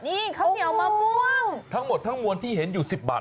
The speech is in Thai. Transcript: นี่ข้าวเหนียวมะม่วงทั้งหมดทั้งมวลที่เห็นอยู่๑๐บาท